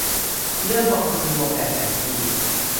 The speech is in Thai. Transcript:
เลือกกองทุนรวมแบบไหนดี